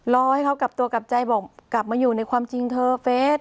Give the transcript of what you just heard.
รอให้เขากลับตัวกลับใจบอกกลับมาอยู่ในความจริงเธอเฟส